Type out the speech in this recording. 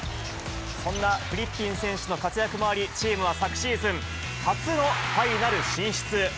そんなフリッピン選手の活躍もあり、チームは昨シーズン、初のファイナル進出。